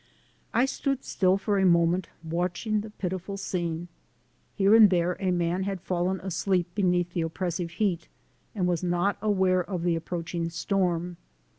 I stood still for a moment watching the pitiful scene. Here and there a man had fallen asleep beneath the oppressive heat, and was not aware of the approach ing storm.